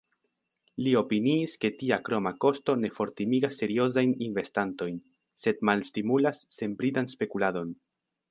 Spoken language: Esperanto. Li opiniis ke tia kroma kosto ne fortimigas seriozajn investantojn, sed malstimulas senbridan spekuladon.